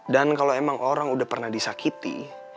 dan kalau emang orang udah pernah disakiti